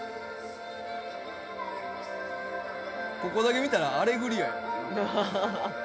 ここだけ見たら『アレグリア』や。